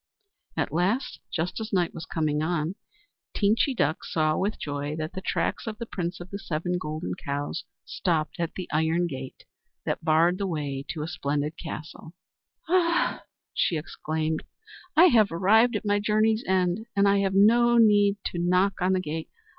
At last, just as night was coming on, Teenchy Duck saw with joy that the tracks of the Prince of the Seven Golden Cows stopped at the iron gate that barred the way to a splendid castle. "Ah!" she exclaimed, "I have arrived at my journey's end, and I have no need to knock on the gate.